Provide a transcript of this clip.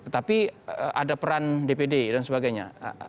tapi ada peran dpd dan sebagainya